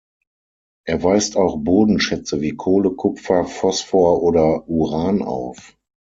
Er weist auch Bodenschätze wie Kohle, Kupfer, Phosphor oder Uran auf.